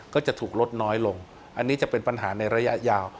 ก็จะถูกลดน้อยลงอันนี้จะเป็นปัญหาในระยะยาว